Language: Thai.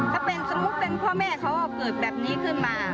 ถ้าเป็นสมมุติเป็นพ่อแม่เขาก็เกิดแบบนี้ขึ้นมา